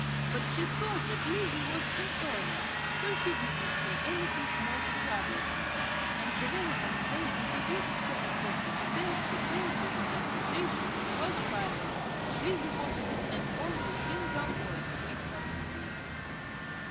But she saw that Lizzie was in earnest, so she did not say anything more to trouble her, and the very next day contributed seven postage stamps to pay for the transportation of a large party which Lizzie wanted to send on to Hingham for a Christmas visit.